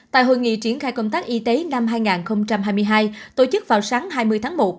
tại hội nghị triển khai công tác y tế năm hai nghìn hai mươi hai tổ chức vào sáng hai mươi tháng một